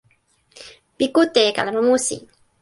mi kute e kalama musi.